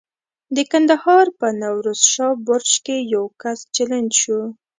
د کندهار په نوروز شاه برج کې یو کس چلنج شو.